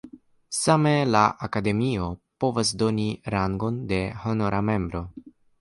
Same, la Akademio povas doni la rangon de honora membro.